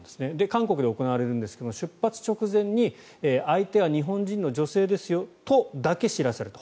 韓国で行われるんですが出発直前に相手は日本人の女性ですよとだけ知らされた。